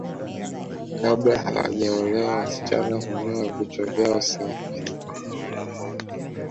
Kabla hawajaolewa wasichana hunyoa vichwa vyao safi